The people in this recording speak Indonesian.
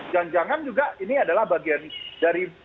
jangan jangan juga ini adalah bagian dari